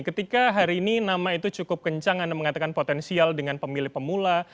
ketika hari ini nama itu cukup kencang anda mengatakan potensial dengan pemilih pemula